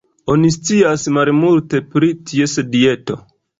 Oni scias malmulte pri ties dieto.